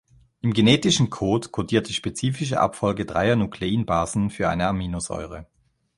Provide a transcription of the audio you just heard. Im genetischen Code codiert die spezifische Abfolge dreier Nukleinbasen für eine Aminosäure.